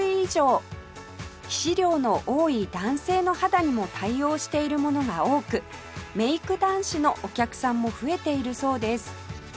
皮脂量の多い男性の肌にも対応しているものが多くメイク男子のお客さんも増えているそうです